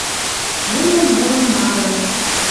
Ӹлен ылын мары.